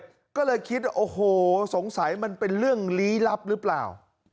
ก็เลยคิดโอ้โหสงสัยมันเป็นเรื่องลี้ลับหรือเปล่า